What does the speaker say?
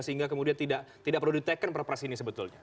sehingga kemudian tidak perlu diteken perpres ini sebetulnya